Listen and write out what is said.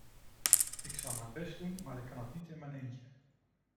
Ik zal mijn best doen, maar ik kan het niet in mijn eentje.